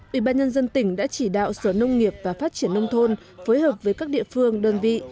ủy ban nhân dân tỉnh đã chỉ đạo sở nông nghiệp và phát triển nông thôn phối hợp với các địa phương đơn vị